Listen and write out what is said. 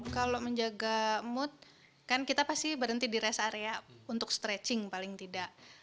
kalau menjaga mood kan kita pasti berhenti di rest area untuk stretching paling tidak